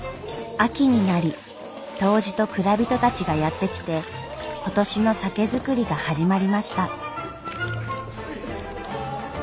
秋になり杜氏と蔵人たちがやって来て今年の酒造りが始まりました。